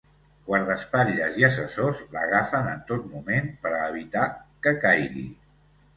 Guardaespatlles i assessors l’agafen en tot moment per a evitar que caigui.